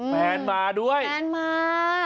แฟนมาด้วยแฟนมา